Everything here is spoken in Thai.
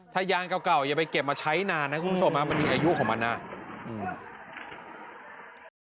ถ้ายางเก่าอย่าไปเก็บมาใช้นานนะคุณผู้ชมมันมีอายุของมันนะอืม